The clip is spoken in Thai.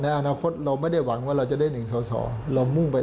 ในอนาคตเราก็ไม่ได้หวังว่าเราจะได้หนึ่งสอสร